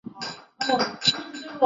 没关系，没事就好